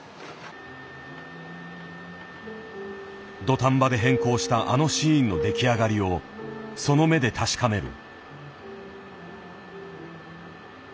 土壇場で変更したあのシーンの出来上がりをその目で確かめる。